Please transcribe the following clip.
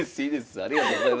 ありがとうございます。